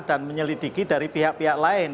dan menyelidiki dari pihak pihak lain